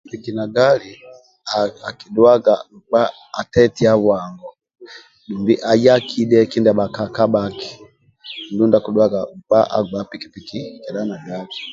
Piki piki na gali akidhuaga nkpa atetia bwangau dumbi aya akidha kindia bhakakabhaki